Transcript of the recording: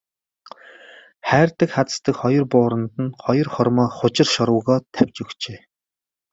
Хайрдаг хаздаг хоёр бууранд нь хоёр хормой хужир шорвогоо тавьж өгчээ.